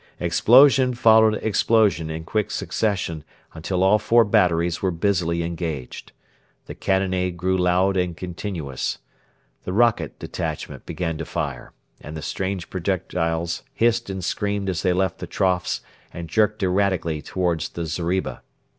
Explosion followed explosion in quick succession until all four batteries were busily engaged. The cannonade grew loud and continuous. The rocket detachment began to fire, and the strange projectiles hissed and screamed as they left the troughs and jerked erratically towards the zeriba.